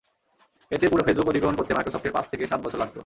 এতে পুরো ফেসবুক অধিগ্রহণ করতে মাইক্রোসফটের পাঁচ থেকে সাত বছর লাগত।